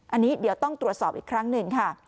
อันนี้เดี๋ยวต้องตรวจสอบอีกครั้งหนึ่งค่ะ